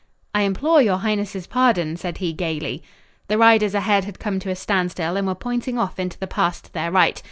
"I implore your highness's pardon!" said he gaily. The riders ahead had come to a standstill and were pointing off into the pass to their right.